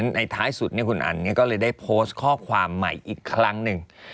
ในท้ายสุดคุณอันก็เลยได้โพสต์ข้อความใหม่อีกครั้งหนึ่ง